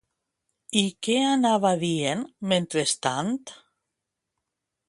I què anava dient mentrestant?